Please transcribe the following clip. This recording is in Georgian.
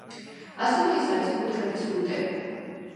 ასევე ის არის ფუტკრების ბუდე.